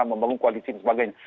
membangun koalisi dan sebagainya